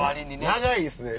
長いですね